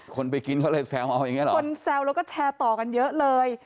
คนไปกินเขาเลยแซวเอาอย่างนี้หรอคนแซวแล้วก็แชร์ต่อกันเยอะเลย